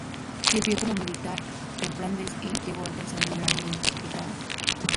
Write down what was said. Sirvió como militar en Flandes y llegó a alcanzar el grado de capitán.